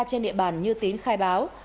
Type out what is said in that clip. trên địa bàn như tín khai báo